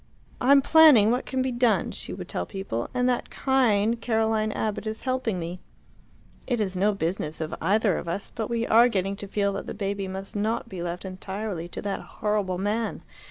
"I am planning what can be done," she would tell people, "and that kind Caroline Abbott is helping me. It is no business of either of us, but we are getting to feel that the baby must not be left entirely to that horrible man.